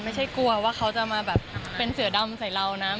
ไม่ใช่กลัวว่าเขาจะมาแบบเป็นเสือดำใส่เรานะ